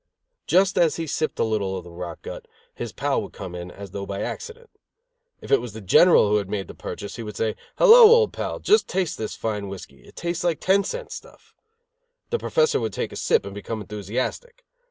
Just as he sipped a little of the rot gut, his pal would come in, as though by accident. If it was the General who had made the purchase, he would say: "Hello, old pal, just taste this fine whiskey. It tastes like ten cent stuff." The Professor would take a sip and become enthusiastic.